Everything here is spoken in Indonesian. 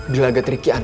dilaget ricky aneh banget